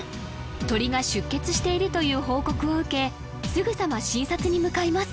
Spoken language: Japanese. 鳥が出血しているという報告を受けすぐさま診察に向かいます